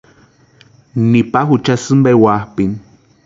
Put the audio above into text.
Nipa jucha sïmpa ewapʼini.